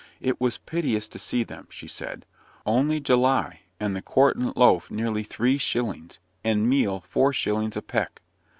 "It was piteous to see them," she said; "only July, and the quartern loaf nearly three shillings, and meal four shillings a peck."